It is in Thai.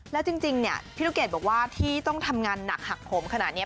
แล้วจริงเนี่ยพี่ลูกเกดบอกว่าที่ต้องทำงานหนักหักผมขนาดนี้